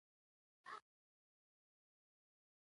پنېر له کورنۍ سره یو ځای خوړل کېږي.